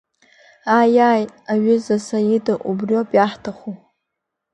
Ааи, ааи, аҩыза Саида, убриоуп иаҳҭаху!